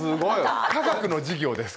科学の授業です。